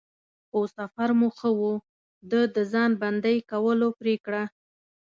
خو سفر مو ښه و، د د ځان بندی کولو پرېکړه.